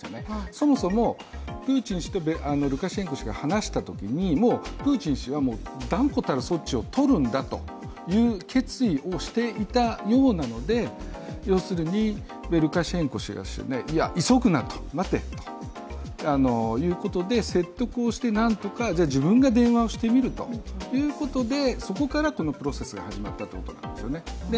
そもそもプーチン氏とルカシェンコ氏が話したときに、もうプーチン氏は断固たる措置を取るんだという決意をしていたようなので、ルカシェンコ氏が急ぐなと、待てということで説得をして何とかじゃあ、自分が電話をしてみるということで、そこから、このプロセスが始まったということなんですね。